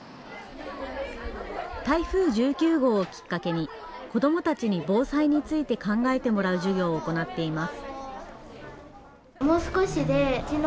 台風１９号をきっかけに子どもたちに防災について考えてもらう授業を行っています。